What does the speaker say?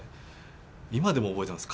今でも覚えてます。